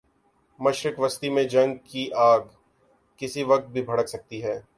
مشرق وسطی میں جنگ کی آگ کسی وقت بھی بھڑک سکتی ہے۔